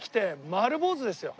丸坊主ですよ？